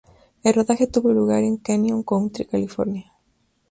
El rodaje tuvo lugar en Canyon Country, California.